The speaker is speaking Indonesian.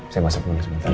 saya masak dulu sebentar